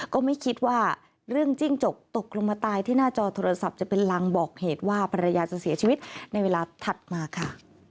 ก็ไม่คิดว่าเรื่องจิ้งจกตกลงมาตายที่หน้าจอโทรศัพท์จะเป็นรังบอกเหตุว่าภรรยาจะเสียชีวิตในเวลาถัดมาค่ะ